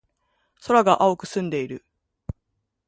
空が青く澄んでいる。